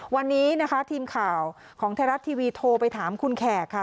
วันนี้นะคะทีมข่าวของไทยรัฐทีวีโทรไปถามคุณแขกค่ะ